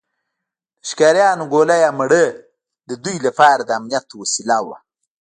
د ښکاریانو ګوله یا مړۍ د دوی لپاره د امنیت وسیله وه.